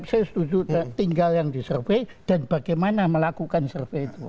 saya setuju tinggal yang disurvey dan bagaimana melakukan survei itu